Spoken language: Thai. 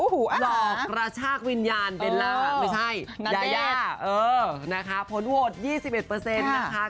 หลอกกระชากวิญญาณเบลลาไม่ใช่ยายาผลโหวด๒๑นะคะ